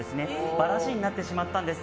バラシになってしまったんです。